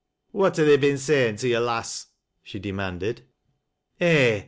" What ha' they been sayin' to yo', lass ?" she demanded " En